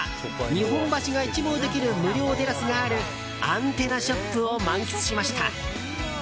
日本橋が一望できる無料テラスがあるアンテナショップを満喫しました。